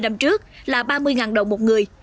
như năm trước là ba mươi đồng một người